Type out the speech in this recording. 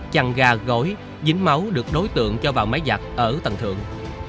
chằn gà gối dính máu được đối tượng cho vào máy giặt ở tầng thượng